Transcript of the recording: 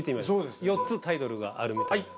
４つタイトルがあるみたいなんでね。